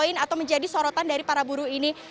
dan juga ada beberapa penerotan dari para buruh ini